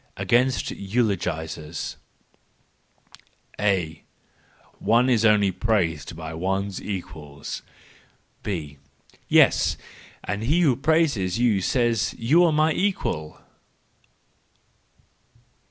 Against Eulogisers .—A :" One is only praised by one's equals !" B :" Yes ! And he who praises you says: ' You are my equal!